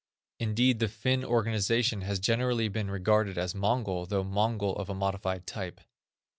Indeed the Finn organization has generally been regarded as Mongol, though Mongol of a modified type.